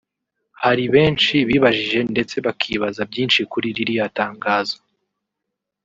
Hari benshi bibajije ndetse bakibaza byinshi kuri ririya tangazo